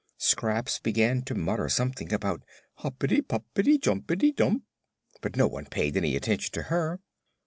Scraps began to mutter something about "hoppity, poppity, jumpity, dump!" but no one paid any attention to her.